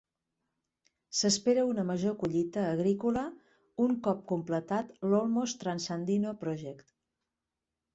S'espera una major collita agrícola un cop completat l'Olmos Transandino Project.